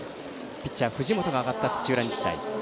ピッチャー、藤本が上がった土浦日大。